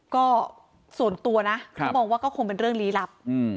ก็ส่วนตัวนะเขามองว่าก็คงเป็นเรื่องลี้ลับ